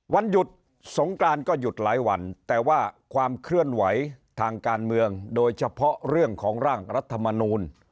วันหยุดสงกรานก็หยุดหลายวันแต่ว่าความเคลื่อนไหวทางการเมืองโดยเฉพาะเรื่องของร่างรัฐมนูล